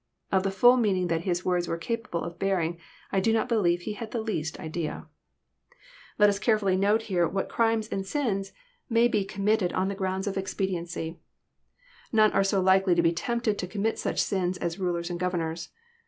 Of the fUU meaning that His words were capable of bearing I do not believe he had the least idea. Let us carefully note here what crimes and sins may be com 800 EXP08IT0KT THOUGHTS. mftted on the gronnd of expediency. None are so likely to be tempted to commit such Bins as rulers and governors.